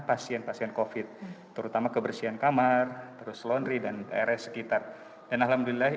pasien pasien covid terutama kebersihan kamar terus laundry dan r s sekitar dan alhamdulillah